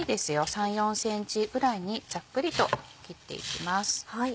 ３４ｃｍぐらいにざっくりと切っていきます。